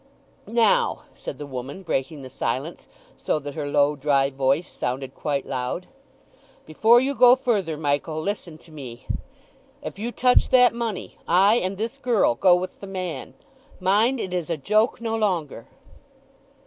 "Now," said the woman, breaking the silence, so that her low dry voice sounded quite loud, "before you go further, Michael, listen to me. If you touch that money, I and this girl go with the man. Mind, it is a joke no longer."